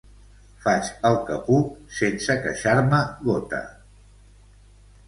Faig el que puc sense queixar-me gota.